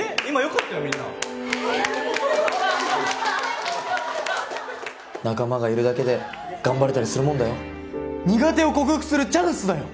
えっ仲間がいるだけで頑張れたりするもんだよ苦手を克服するチャンスだよ